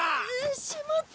しまった。